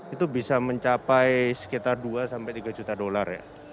itu bisa mencapai sekitar dua tiga juta dollar ya